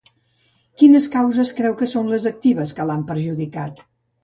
Quines causes creu que són les actives que l'han perjudicat?